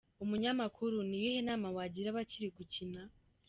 Umunyamakuru: Ni iyihe nama wagira abakiri gukina?.